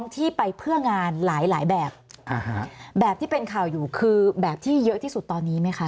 ที่เป็นข่าวอยู่คือแบบที่เยอะที่สุดตอนนี้ไหมคะ